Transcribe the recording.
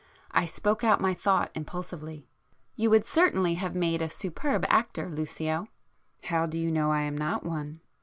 I spoke out my thought impulsively. "You would certainly have made a superb actor, Lucio!" "How do you know I am not one?"